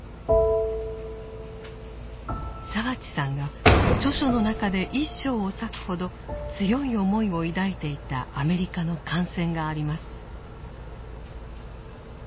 澤地さんが著書の中で一章を割くほど強い思いを抱いていたアメリカの艦船があります。